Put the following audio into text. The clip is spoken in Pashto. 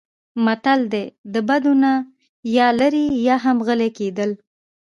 متل دی: د بدو نه یا لرې یا هم غلی کېدل.